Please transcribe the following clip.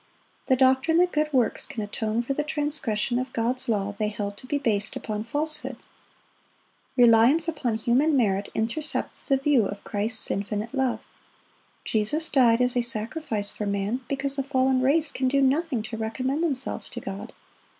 The doctrine that good works can atone for the transgression of God's law, they held to be based upon falsehood. Reliance upon human merit intercepts the view of Christ's infinite love. Jesus died as a sacrifice for man because the fallen race can do nothing to recommend themselves to God.